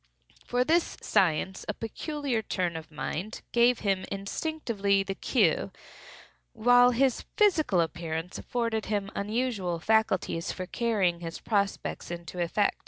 For this science a peculiar turn of mind gave him instinctively the cue, while his physical appearance afforded him unusual facilities for carrying his prospects into effect.